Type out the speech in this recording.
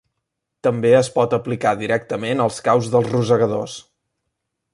També es pot aplicar directament als caus dels rosegadors.